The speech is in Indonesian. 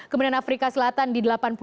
kemudian afrika selatan di delapan puluh delapan